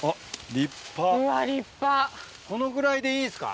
このぐらいでいいですか？